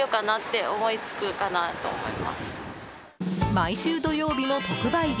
毎週土曜日の特売日